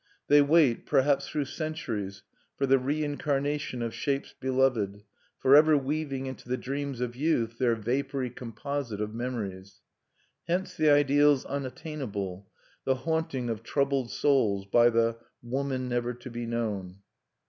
They wait, perhaps though centuries, for the reincarnation of shapes beloved, forever weaving into the dreams of youth their vapory composite of memories. Hence the ideals unattainable, the haunting of troubled souls by the Woman never to be known.